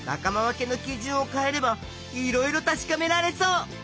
のきじゅんを変えればいろいろたしかめられそう。